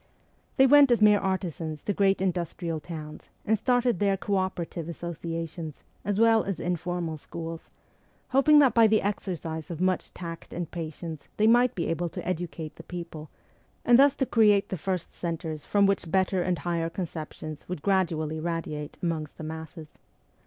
They went as mere artisans to great industrial towns, and started there co operative associations, as well as informal schools, hoping that by the exercise of much tact and patience they might be able to educate the people, and thus to create the first centres from which better and higher conceptions would gradually radiate amongst the masses.